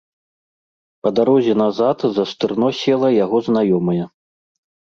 Па дарозе назад за стырно села яго знаёмая.